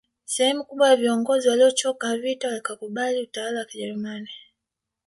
Sehemu kubwa ya viongozi waliochoka vita wakakubali utawala wa kijerumani